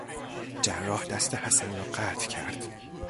جراح دست حسن را قطع کرد.